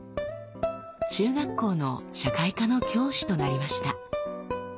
中学校の社会科の教師となりました。